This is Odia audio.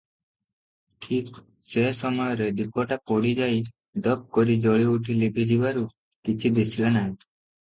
ଠିକ୍ ସେ ସମୟରେ ଦୀପଟା ପୋଡ଼ିଯାଇ ଦପ୍ କରି ଜଳିଉଠି ଲିଭିଯିବାରୁ କିଛି ଦିଶିଲା ନାହିଁ ।